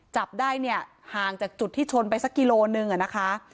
จับได้เนี่ยห่างจากจุดที่ชนไปสักกิโลนึงอะนะคะ